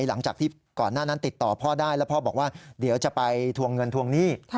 หลังจากที่ก่อนหน้านั้นติดต่อพ่อได้แล้วพ่อบอกว่าเดี๋ยวจะไปทวงเงินทวงหนี้